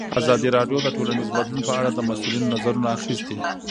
ازادي راډیو د ټولنیز بدلون په اړه د مسؤلینو نظرونه اخیستي.